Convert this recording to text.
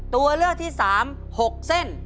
ตัวเลือกที่๓๖เส้น